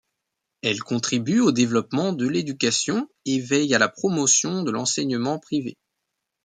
Elle contribue au développement de l’éducation et veille à la promotion de l’enseignement privé.